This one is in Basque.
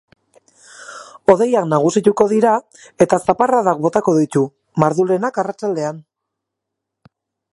Hodeiak nagusituko dira eta zaparradak botako ditu, mardulenak arratsaldean.